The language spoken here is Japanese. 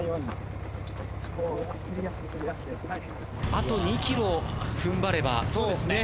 あと２ｋｍ踏ん張れば。